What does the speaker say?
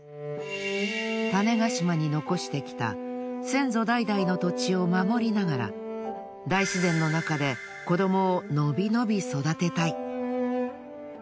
種子島に残してきた先祖代々の土地を守りながら大自然の中で子どもをのびのび育てたい。